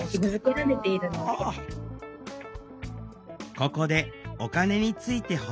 ここでお金について補足。